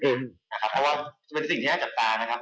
เป็นสิ่งที่เราจะตามนะครับ